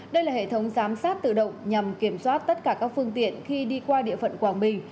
đây là hệ thống giám sát tự động nhằm kiểm soát tất cả các phương tiện khi đi qua địa phận quảng bình